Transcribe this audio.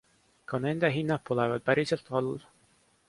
Ka nende hinnad pole veel päriselt all.